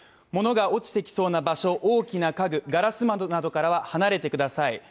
物が落ちてきそうな場所、大きな家具、ガラス窓からは離れてください。